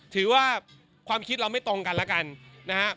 ถือว่าความคิดเราไม่ตรงกันแล้วกันนะครับ